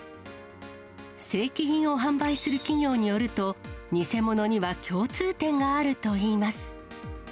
正規品を販売する企業によると、偽物には共通点があるといいます。